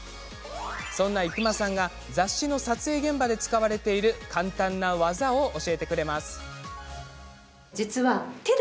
そんな伊熊さんが雑誌の撮影現場で使われている簡単な技を教えてくれます。